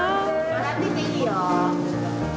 笑ってていいよ。